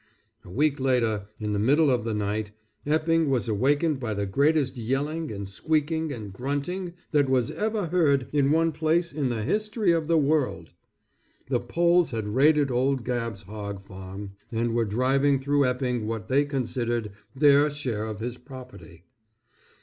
A week later, in the middle of the night, Epping was awakened by the greatest yelling, and squeaking, and grunting, that was ever heard in one place in the history of the world. The Poles had raided old Gabb's hog farm, and were driving through Epping what they considered their share of his property.